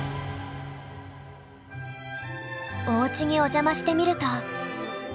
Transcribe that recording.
おうちにお邪魔してみると。